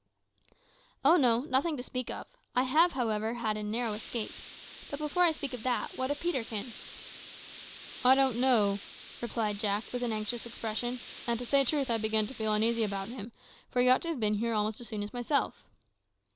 "Oh no; nothing to speak of. I have, however, had a narrow escape. But before I speak of that, what of Peterkin?" "I don't know," replied Jack, with an anxious expression; "and to say truth, I begin to feel uneasy about him, for he ought to have been here almost as soon as myself."